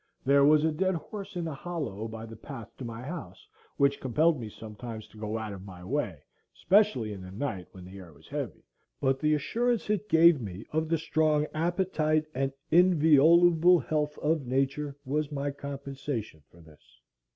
There was a dead horse in the hollow by the path to my house, which compelled me sometimes to go out of my way, especially in the night when the air was heavy, but the assurance it gave me of the strong appetite and inviolable health of Nature was my compensation for this.